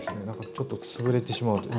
何かちょっと潰れてしまう。